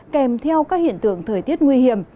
kèm theo các hiện tượng thời tiết nguy hiểm